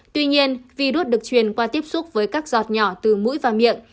tuy nhiên virus được truyền qua tiếp xúc với các giọt nhỏ từ mũi và miệng